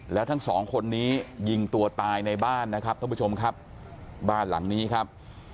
แล้วทั้งสองคนนี้ยิงตัวตายในบ้านนะครับท่านผู้ชมครับบ้านหลังนี้ครับ